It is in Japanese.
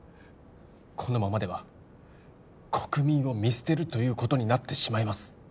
このままでは国民を見捨てるということになってしまいます